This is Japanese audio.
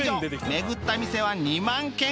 巡った店は２万軒超え！